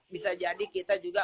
bisa jadi kita juga